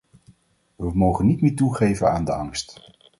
We mogen niet meer toegeven aan de angst.